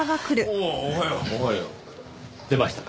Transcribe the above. おはよう。出ましたか？